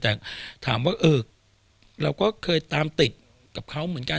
แต่ถามว่าเออเราก็เคยตามติดกับเขาเหมือนกัน